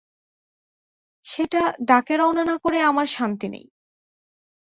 সেটা ডাকে রওনা না করে আমার শান্তি নেই।